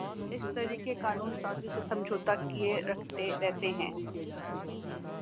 اس طریقِ قانون سازی سے سمجھوتاکیے رہتے ہیں